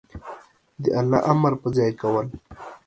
د الله امر په ځای کول